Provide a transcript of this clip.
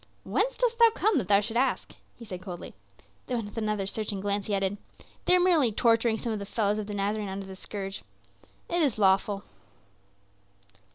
"Whence dost thou come that thou shouldst ask?" he said coldly. Then with another searching glance he added, "They are merely torturing some of the followers of the Nazarene under the scourge. It is lawful."